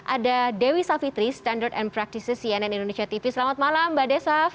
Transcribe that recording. ada dewi savitri standard and practices cnn indonesia tv selamat malam mbak desaf